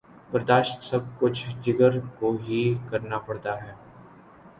برداشت سب کچھ جگر کو ہی کرنا پڑتا۔